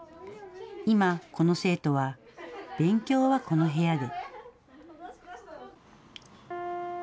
今、この生徒は勉強はこの部屋で。